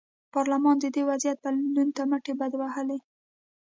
پارلمان د دې وضعیت بدلون ته مټې بډ وهلې.